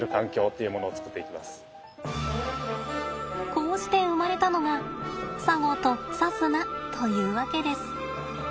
こうして生まれたのがさごとさすなというわけです。